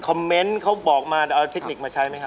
เมนต์เขาบอกมาเอาเทคนิคมาใช้ไหมครับ